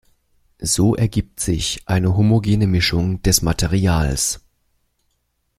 So ergibt sich eine homogene Mischung des Materials.